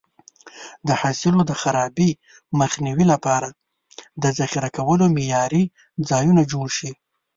د حاصل د خرابي مخنیوي لپاره د ذخیره کولو معیاري ځایونه جوړ شي.